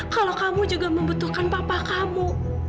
kalau kamu juga membutuhkan papa kamu